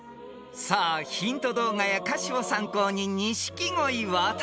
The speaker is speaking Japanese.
［さあヒント動画や歌詞を参考に錦鯉渡辺さん